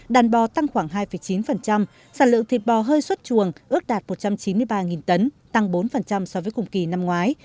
đàn bò tăng khoảng hai chín sản lượng thịt bò hơi xuất chuồng ước đạt một trăm chín mươi ba tấn tăng bốn so với cùng kỳ năm ngoái